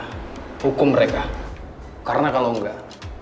kita hukum mereka karena kalau enggak